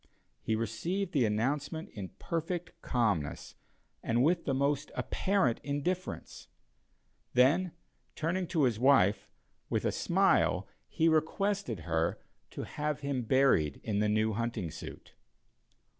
He received the announcement in perfect calmness, and with the most apparent indifference; then, turning to his wife, with a smile he requested her to have him buried in the new hunting suit.